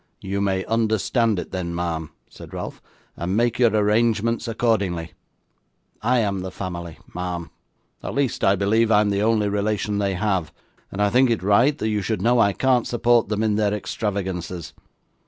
'You may understand it then, ma'am,' said Ralph, 'and make your arrangements accordingly. I am the family, ma'am at least, I believe I am the only relation they have, and I think it right that you should know I can't support them in their extravagances.